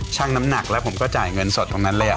ช่างน้ำหนักแล้วผมก็จ่ายเงินสดตรงนั้นเลย